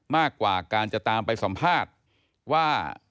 มากกว่าการจะตามไปสัมภาษณ์ว่า